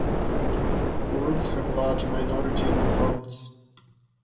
Kurds have large minority in the province.